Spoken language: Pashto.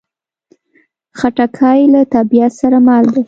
خټکی له طبیعت سره مل دی.